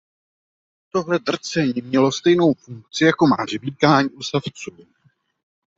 Tohle drcení mělo stejnou funkci jako má žvýkání u savců.